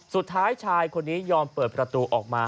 สุดท้ายชายคนนี้ยอมเปิดประตูออกมา